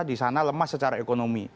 di sana lemah secara ekonomi